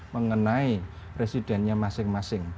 mengenai residentnya masing masing